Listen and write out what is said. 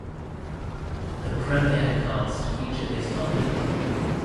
The premiere cast featured his father.